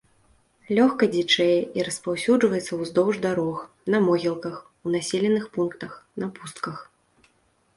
Лёгка дзічэе і распаўсюджваецца ўздоўж дарог, на могілках, у населеных пунктах, на пустках.